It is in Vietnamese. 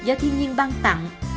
do thiên nhiên ban tặng